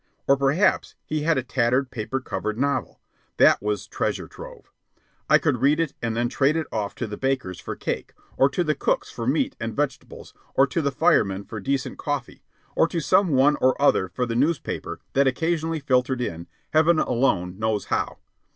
Or perhaps he had a tattered, paper covered novel. That was treasure trove. I could read it and then trade it off to the bakers for cake, or to the cooks for meat and vegetables, or to the firemen for decent coffee, or to some one or other for the newspaper that occasionally filtered in, heaven alone knows how.